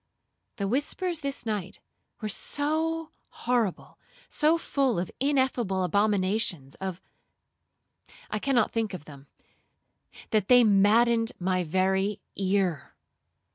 The whispers this night were so horrible, so full of ineffable abominations, of—I cannot think of them,—that they maddened my very ear.